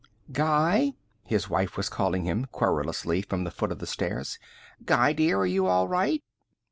"Guy?" His wife was calling him querulously from the foot of the stairs. "Guy, dear, are you all right?"